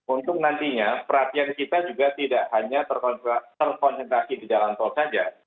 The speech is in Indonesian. untuk nantinya perhatian kita juga tidak hanya terkonsentrasi di jalan tol saja